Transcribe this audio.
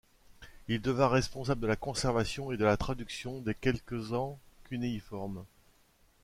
Il devint responsable de la conservation et de la traduction des quelques en cunéiforme.